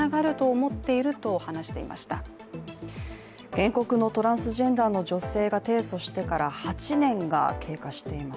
原告のトランスジェンダーの女性が提訴してから８年が経過しています。